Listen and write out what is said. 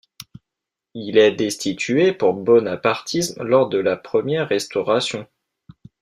Il est destitué pour bonapartisme lors de la Première Restauration.